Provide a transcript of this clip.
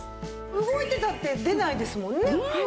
動いてたって出ないですもんね。